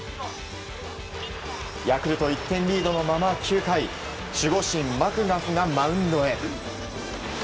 ヤクルト１点リードのまま９回守護神マクガフがマウンドへ。